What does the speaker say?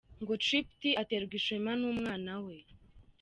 ngo Tripti aterwa ishema n'umwana we.